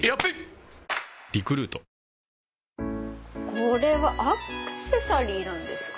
これはアクセサリーなんですか？